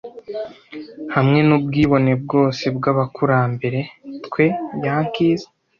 Hamwe nubwibone bwose bwabakurambere, twe Yankees?